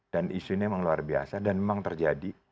dan isu ini memang luar biasa dan memang terjadi